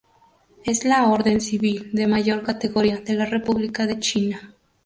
Es la orden civil de mayor categoría de la República de China.